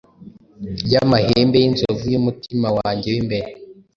y'amahembe y'inzovu y'umutima wanjye w'imbere,